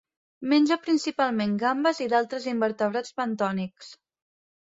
Menja principalment gambes i d'altres invertebrats bentònics.